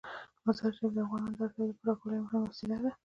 مزارشریف د افغانانو د اړتیاوو د پوره کولو یوه مهمه وسیله ده.